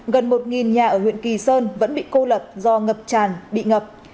gần một nhà ở huyện kỳ sơn vẫn bị cô lập do ngập tràn bị ngập